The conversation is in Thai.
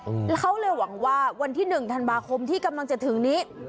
เขาเลยหวังว่าวันที่หนึ่งธันวาคมที่กำลังจะถึงนี้